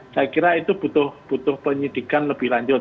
saya kira itu butuh penyidikan lebih lanjut